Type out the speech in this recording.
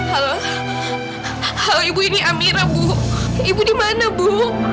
halo kalau ibu ini amira bu ibu di mana bu